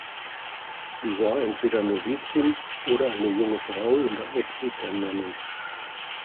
Sie war entweder Novizin oder eine junge Frau in der Obhut der Nonnen.